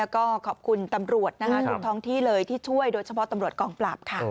ก็ขอบคุณตำรวจทุกท้องที่เลยที่ช่วยโดยเฉพาะตำรวจกองปราบค่ะ